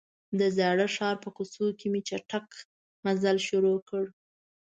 د زاړه ښار په کوڅو کې مې چټک مزل شروع کړ.